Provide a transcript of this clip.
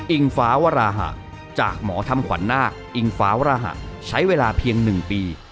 ฟ้าวราหะจากหมอทำขวัญนาคอิงฟ้าวรหะใช้เวลาเพียง๑ปี